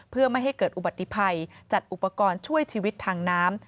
เพื่อไม่ให้เกิดอุบัติภัยจัดอุปกรณ์ช่วยชีวิตทางน้ำ